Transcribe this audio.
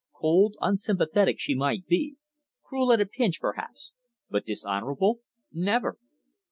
Cold, unsympathetic she might be, cruel at a pinch perhaps, but dishonourable never!